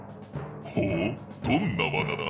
ほうどんなわなだ？